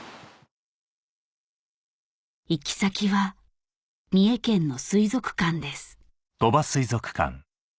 行き先は三重県の水族館です